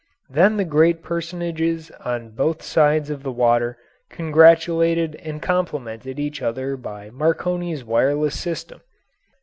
Then the great personages on both sides of the water congratulated and complimented each other by Marconi's wireless system.